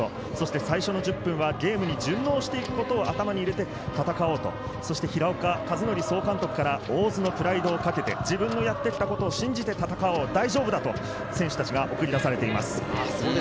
最初の１０分はゲームに順応していくことを頭に入れて戦おうと平岡和徳総監督から大津のプライドをかけて自分のやってきたことを信じて戦おう大丈夫だと、選手たちが繰り出されています。